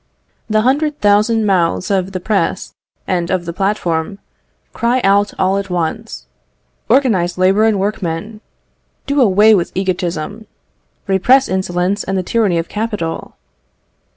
The hundred thousand mouths of the press and of the platform cry out all at once: "Organize labour and workmen. "Do away with egotism. "Repress insolence and the tyranny of capital.